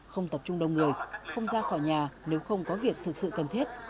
không tập trung đông người không ra khỏi nhà nếu không có việc thực sự cần thiết